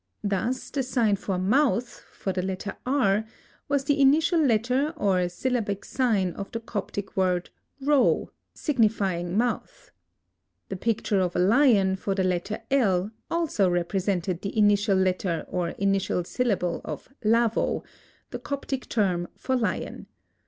Thus, the sign for "mouth" for the letter R, was the initial letter or syllabic sign of the Coptic word Ro, signifying mouth. The picture of a lion for the letter L also represented the initial letter or initial syllable of Lavo, the Coptic for lion.